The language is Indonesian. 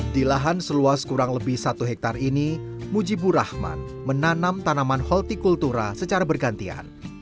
di lahan seluas kurang lebih satu hektare ini mujibur rahman menanam tanaman holti kultura secara bergantian